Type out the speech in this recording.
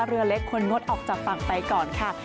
เรือเล็กควรงดออกจากฝั่งไปก่อนค่ะ